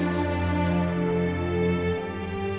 mutta mah isi alamannya tehug